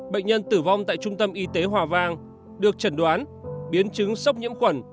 bệnh nhân tử vong tại trung tâm y tế hòa vang được chẩn đoán biến chứng sốc nhiễm khuẩn